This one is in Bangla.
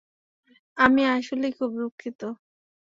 আমি আসলেই খুব দুঃখিত।